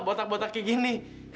botak botak kayak gini